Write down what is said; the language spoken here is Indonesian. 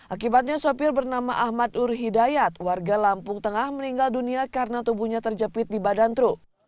akibatnya sopir bernama ahmad ur hidayat warga lampung tengah meninggal dunia karena tubuhnya terjepit di badan truk